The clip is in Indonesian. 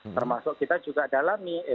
termasuk kita juga dalam nih